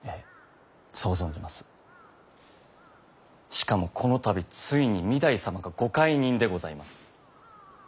しかもこの度ついに御台様がご懐妊でございます。